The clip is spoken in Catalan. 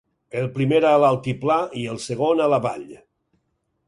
El primer a l'altiplà i el segon, a la vall.